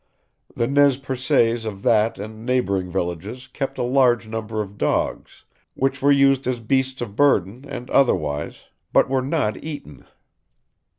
The Nez Percés of that and neighboring villages kept a large number of dogs, which were used as beasts of burden and otherwise, but were not eaten.